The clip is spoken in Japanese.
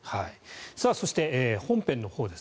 そして、本編のほうです。